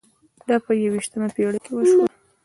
دا په یوویشتمه پېړۍ کې وشول.